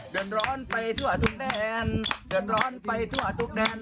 เดินร้อนไปทั่วทุกแดนเดือดร้อนไปทั่วทุกแดน